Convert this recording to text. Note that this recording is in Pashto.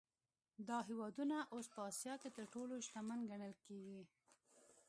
دا هېوادونه اوس په اسیا کې تر ټولو شتمن ګڼل کېږي.